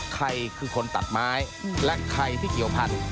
ใครคือคนตัดไม้และใครที่เกี่ยวพันธุ